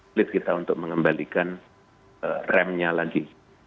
please kita untuk mengembalikan remnya lagi